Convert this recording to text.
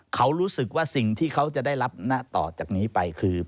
เขารู้สึกว่าสิ่งที่เขาจะได้รับณต่อจากนี้ไปคือ